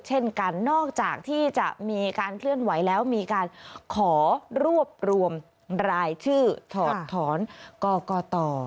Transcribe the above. เช่นกันนอกจากที่จะมีการเคลื่อนไหวแล้วมีการขอรวบรวมรายชื่อถอดถอนกรกต